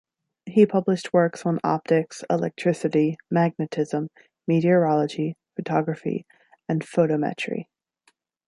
He published works on optics, electricity, magnetism, meteorology, photography and photometry.